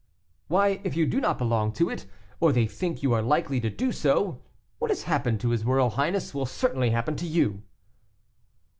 "Why, if you do belong to it, or they think you are likely to do so, what has happened to his royal highness will certainly happen to you."